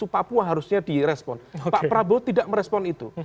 pak prabowo tidak merespon itu